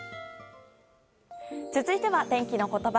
続いては、天気のことば。